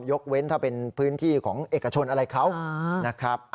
ยกเว้นถ้าเป็นพื้นที่ของเอกชนอะไรเขานะครับ